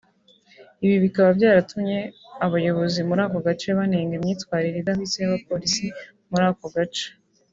ibi bikaba byaratumye abayobozi muri ako gace banenga imyitwarire idahwitse y’abapolisi muri ako gace